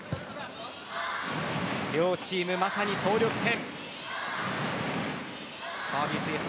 両チーム、まさに総力戦。